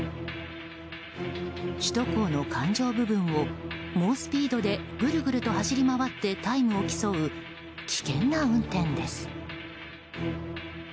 首都高の環状部分を猛スピードでぐるぐると走り回ってタイムを競う危険な運転です。